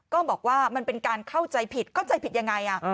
ก็บอกว่ามันเป็นการเข้าใจผิดเข้าใจผิดยังไง